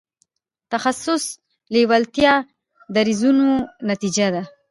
تخصص لېوالتیا دریځونو نتیجه ده.